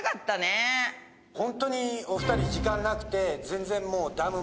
ホントにお二人時間なくて。